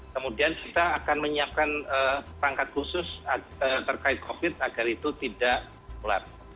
kemudian kita akan menyiapkan perangkat khusus terkait covid agar itu tidak ular